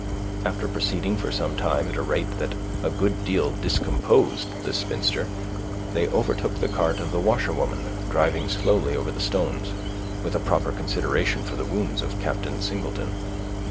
After proceeding for some time, at a rate that a good deal discomposed the spinster, they overtook the cart of the washerwoman driving slowly over the stones, with a proper consideration for the wounds of Captain Singleton.